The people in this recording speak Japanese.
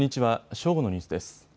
正午のニュースです。